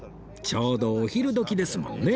ちょうどお昼時ですもんね